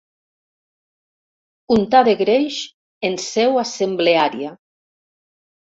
Untar de greix en seu assembleària.